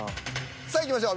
さあいきましょう。